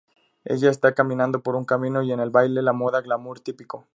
Ella está caminando por un camino y el baile, la moda glamour típico.